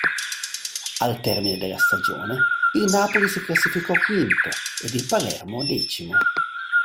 Al termine della stagione il Napoli si classificò quinto ed il Palermo decimo.